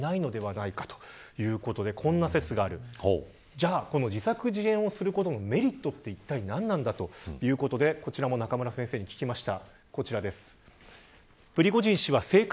じゃあこの自作自演をすることのメリットはいったい何なのか、ということでこちらも中村先生に聞きました。